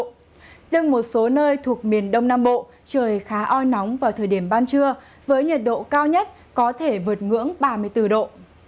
riêng một số nơi thuộc miền đông nam bộ trời khá oi nóng vào thời điểm ban trưa với nhiệt độ cao nhất có thể vượt ngưỡng ba mươi bốn độ